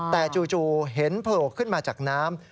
แต่จู่เห็นโผล่ขึ้นมาจากน้ำ